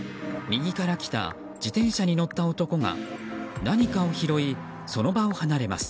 右から来た自転車に乗った男が何かを拾い、その場を離れます。